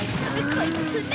こいつめ！